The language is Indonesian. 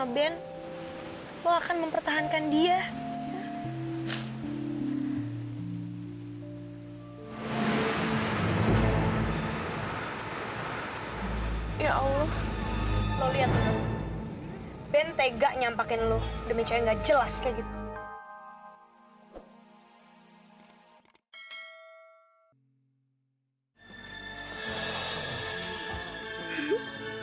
ben tega nyampakin lo demi kayak gak jelas kayak gitu